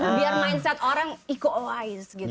biar mindset orang iko uwais gitu